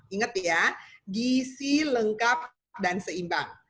ingat ya gisi lengkap dan seimbang